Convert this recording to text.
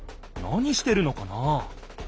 何してるのかな？